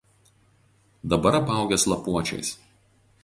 Dabar apaugęs lapuočiais.